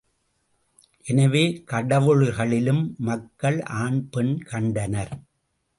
எனவே, கடவுளர்களிலும் மக்கள் ஆண் பெண் கண்டனர்.